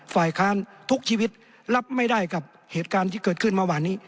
ฝ่ายค้านทุกชีวิตรับไม่ได้กับเหตุการณ์ที่เกิดขึ้นเมื่อวานนี้